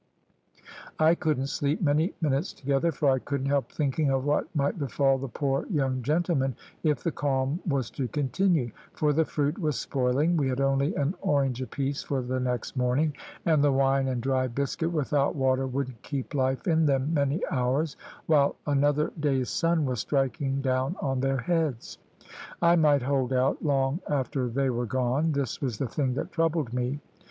I couldn't sleep many minutes together, for I couldn't help thinking of what might befall the poor young gentlemen if the calm was to continue, for the fruit was spoiling, we had only an orange apiece for the next morning, and the wine and dry biscuit without water wouldn't keep life in them many hours, while another day's sun was striking down on their heads I might hold out long after they were gone. This was the thing that troubled me.